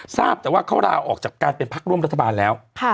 ทราบแต่ว่าเขาลาออกจากการเป็นพักร่วมรัฐบาลแล้ว